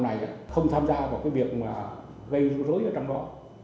số tội vạc này không tham gia vào cái việc gây rối rối ở trong đó